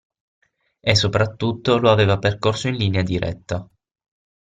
E soprattutto lo aveva percosso in linea diretta.